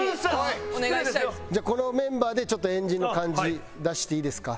じゃあこのメンバーでちょっと円陣の感じ出していいですか？